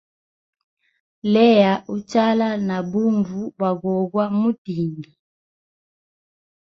Leya uchala na bunvu bwa gogwa mutindi.